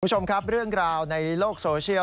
คุณผู้ชมครับเรื่องราวในโลกโซเชียล